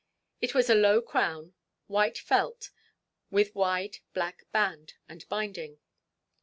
It was a low crown, white felt, with wide black band and binding.